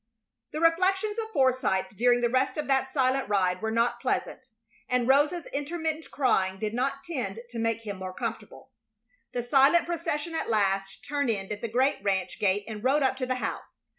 The reflections of Forsythe during the rest of that silent ride were not pleasant, and Rosa's intermittent crying did not tend to make him more comfortable. The silent procession at last turned in at the great ranch gate and rode up to the house.